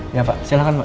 iya pak silahkan pak